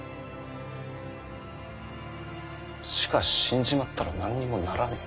しかし死んじまったら何にもならねぇ。